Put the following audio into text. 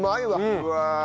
うわ。